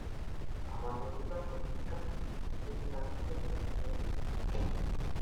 Abandonó la política y se centró en el ámbito empresarial.